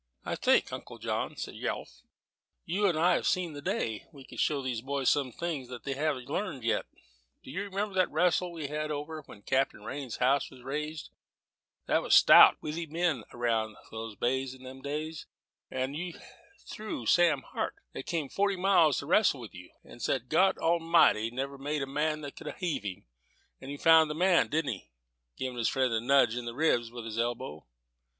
"I think, Uncle Jonathan," said Yelf, "you and I have seen the day we could show these boys some things they haven't learned yet. Do you remember that wrastle we had when Captain Rhines's house was raised there was stout, withy men around these bays in them days; how you threw Sam Hart, that came forty miles to wrastle with you, and said God Almighty never made the man that could heave him? But he found the man didn't he?" giving his friend a nudge in the ribs with his elbow.